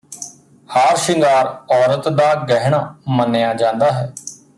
ਹਾਰ ਸ਼ਿੰਗਾਰ ਔਰਤ ਦਾ ਗਹਿਣਾ ਮੰਨਿਆ ਜਾਂਦਾ ਹੈ